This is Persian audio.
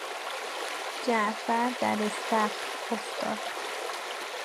جعفر در استخر افتاد.